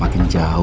kamu akan tahu